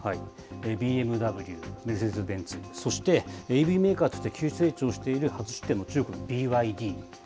ＢＭＷ、メルセデスベンツ、そしてＥＶメーカーとして急成長している初出展の中国のＢＹＤ。